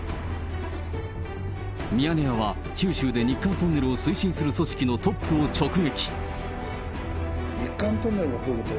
ミヤネ屋は、九州で日韓トンネルを推進する組織のトップを直撃。